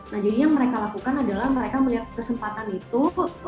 nah jadi yang mereka lakukan adalah mereka melihat kesempatan itu